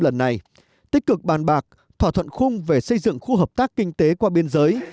lần này tích cực bàn bạc thỏa thuận khung về xây dựng khu hợp tác kinh tế qua biên giới